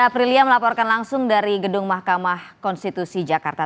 aprilia melaporkan langsung dari gedung mahkamah konstitusi jakarta